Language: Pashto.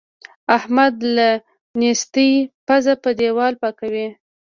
احمد له نېستۍ پزه په دېوال پاکوي.